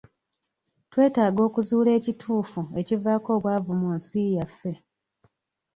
Twetaaga okuzuula ekituufu ekivaako obwavu mu nsi yaffe.